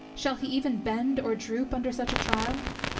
shall he even bend or droop under such a trial?